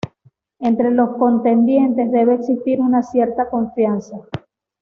Entre los contendientes debe existir una cierta confianza.